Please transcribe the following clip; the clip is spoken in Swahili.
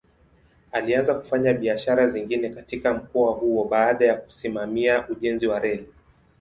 Alianza kufanya biashara zingine katika mkoa huo baada ya kusimamia ujenzi wa reli.